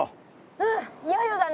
うんいよいよだね。